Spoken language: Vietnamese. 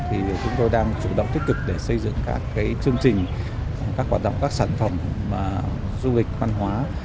thì chúng tôi đang chủ động tích cực để xây dựng các chương trình các hoạt động các sản phẩm du lịch văn hóa